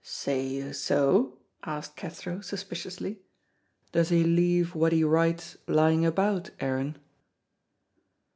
"Say you so?" asked Cathro, suspiciously; "does he leave what he writes lying about, Aaron?"